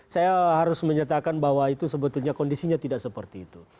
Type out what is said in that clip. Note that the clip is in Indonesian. saya harus menyatakan bahwa itu sebetulnya kondisinya tidak seperti itu